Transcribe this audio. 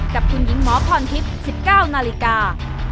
กับคุณหญิงหมอพรทริปสิบเก้านาฬิกา